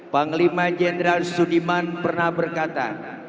panglima jenderal sudiman pernah berkata